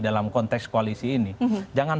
dalam konteks koalisi ini jangan